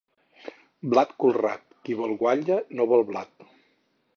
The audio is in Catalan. Blat colrat! Qui vol guatlla no vol blat.